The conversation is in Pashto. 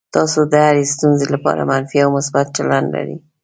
تاسو د هرې ستونزې لپاره منفي او مثبت چلند لرئ.